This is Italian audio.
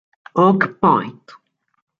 Oak Point